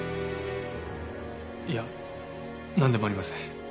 いやなんでもありません。